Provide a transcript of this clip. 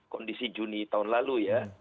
kondisi juni tahun lalu ya